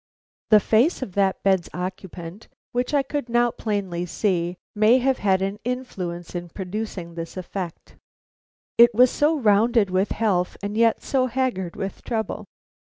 The face of that bed's occupant, which I could now plainly see, may have had an influence in producing this effect. It was so rounded with health, and yet so haggard with trouble.